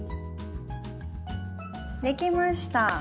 できました！